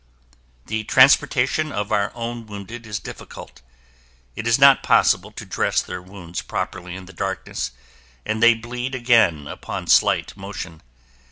The transportation of our own wounded is difficult. It is not possible to dress their wounds properly in the darkness, and they bleed again upon slight motion.